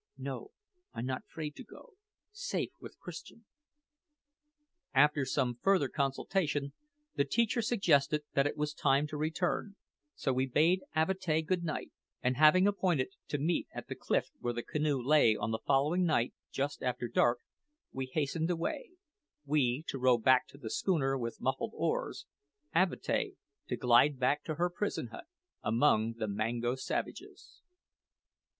"No, I not 'fraid to go. Safe with Christian." After some further consultation the teacher suggested that it was time to return, so we bade Avatea good night; and having appointed to meet at the cliff where the canoe lay on the following night, just after dark, we hastened away we to row back to the schooner with muffled oars, Avatea to glide back to her prison hut among the Mango savages.